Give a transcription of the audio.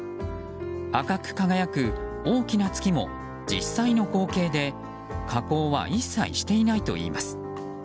赤く輝く大きな月も実際の光景で加工は一切していないといいます。